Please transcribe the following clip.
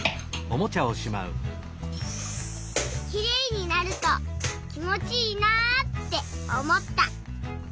きれいになるときもちいいなっておもった。